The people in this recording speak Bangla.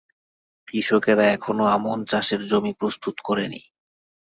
কৃষকেরা এখনো আমন চাষের জমি প্রস্তুত করেনি।